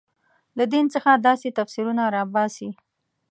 له دین څخه داسې تفسیرونه راباسي.